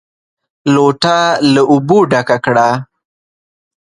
لوټه له اوبو ډکه کړه!